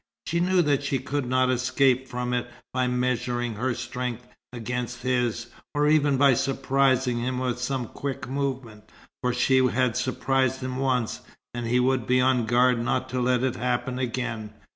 She knew that she could not escape from it by measuring her strength against his, or even by surprising him with some quick movement; for she had surprised him once, and he would be on guard not to let it happen again.